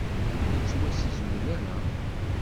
Ur yettwasezmel ara.